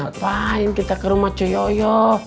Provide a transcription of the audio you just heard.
ngapain kita ke rumah ce yoyo